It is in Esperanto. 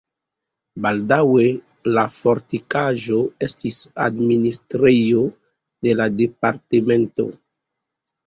Baldaŭe la fortikaĵo estis administrejo de la departemento.